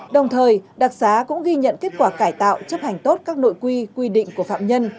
đồng thời đặc xá cũng ghi nhận kết quả cải tạo chấp hành tốt các nội quy quy định của phạm nhân